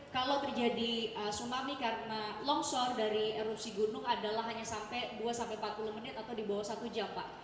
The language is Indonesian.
kalau terjadi tsunami karena longsor dari erupsi gunung adalah hanya sampai dua empat puluh menit atau di bawah satu jam pak